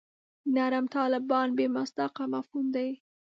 نرم طالبان بې مصداقه مفهوم دی.